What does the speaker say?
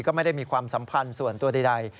ก็ไม่ได้มีความสัมพันธ์ส่วนตัวใด